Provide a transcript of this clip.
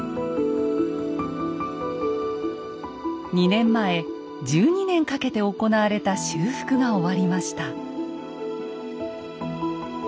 ２年前１２年かけて行われた修復が終わりました。